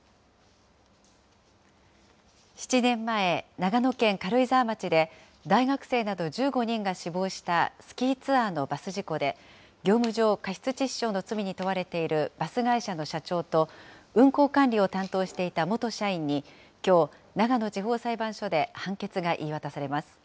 ７年前、長野県軽井沢町で大学生など１５人が死亡したスキーツアーのバス事故で、業務上過失致死傷の罪に問われているバス会社の社長と、運行管理を担当していた元社員にきょう、長野地方裁判所で判決が言い渡されます。